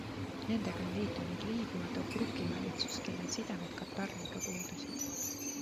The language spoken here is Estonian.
Nendega on liitunud Liibüa Tobruki valitsus, kellel sidemed Katariga puudusid.